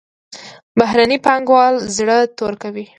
بهرني پانګوال زړه تور کوي.